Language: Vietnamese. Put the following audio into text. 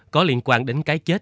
có liên quan đến cái chết